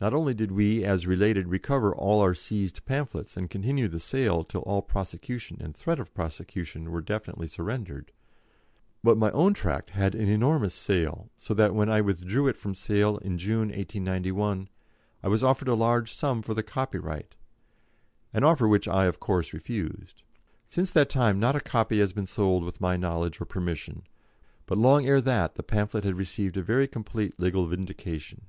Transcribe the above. Not only did we, as related, recover all our seized pamphlets, and continue the sale till all prosecution and threat of prosecution were definitely surrendered; but my own tract had an enormous sale, so that when I withdrew it from sale in June, 1891, I was offered a large sum for the copyright, an offer which I, of course, refused. Since that time not a copy has been sold with my knowledge or permission, but long ere that the pamphlet had received a very complete legal vindication.